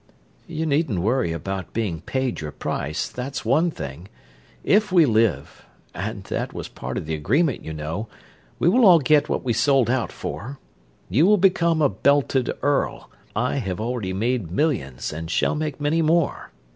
"You needn't worry about being paid your price; that's one thing. If we live and that was part of the agreement, you know we will all get what we sold out for. You will become a belted earl. I have already made millions, and shall make many more.